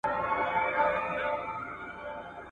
د ګلونو په بستر کي د خزان کیسه کومه `